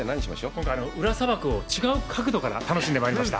今回、裏砂漠を、違う角度から楽しんでまいりました。